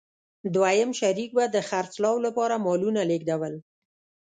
دویم شریک به د خرڅلاو لپاره مالونه لېږدول.